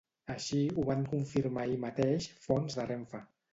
Així ho van confirmar ahir mateix fonts de Renfe.